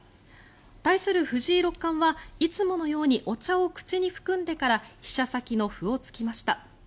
対する藤井六冠はいつものようにお茶を口に含んでから飛車先の歩を突きました。